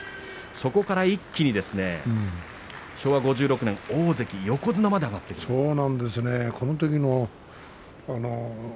そこから一気に昭和５６年大関横綱まで上がってしまいましたね。